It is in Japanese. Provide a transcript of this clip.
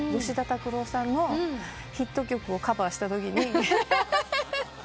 吉田拓郎さんのヒット曲をカバーしたときに。